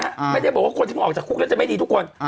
ไม่ได้บอกว่าคนที่เพิ่งออกจากคุกแล้วจะไม่ดีทุกคน